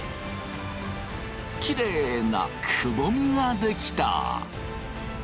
きれいなくぼみが出来た。